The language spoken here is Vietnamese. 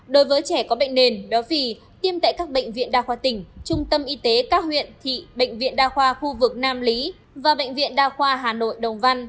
đối với trẻ có bệnh nền béo phì tiêm tại các bệnh viện đa khoa tỉnh trung tâm y tế các huyện thị bệnh viện đa khoa khu vực nam lý và bệnh viện đa khoa hà nội đồng văn